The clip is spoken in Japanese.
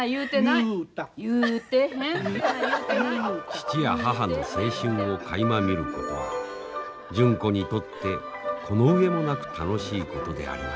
父や母の青春をかいま見ることは純子にとってこの上もなく楽しいことでありました。